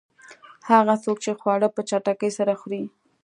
هغه څوک چې خواړه په چټکۍ سره خوري.